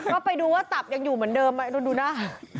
ก็ไปดูว่าตับยังอยู่เหมือนเดิมเราดูหน้า